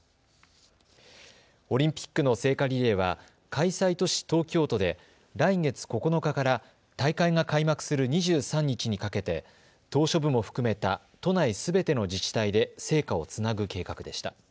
オリンピックの聖火リレーは開催都市・東京都で来月９日から大会が開幕する２３日にかけて島しょ部も含めた都内すべての自治体で聖火をつなぐ計画でした。